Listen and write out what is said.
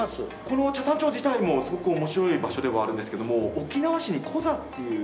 この北谷町自体もすごく面白い場所ではあるんですけども沖縄市にコザっていう。